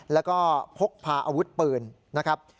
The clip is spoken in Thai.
แล้วก็พกพาอาวุธปืนนะครับ